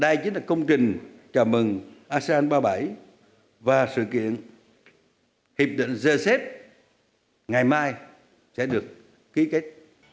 đây chính là công trình chào mừng asean ba mươi bảy và sự kiện hiệp định dơ xếp ngày mai sẽ được ký kết